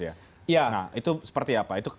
ya nah itu seperti apa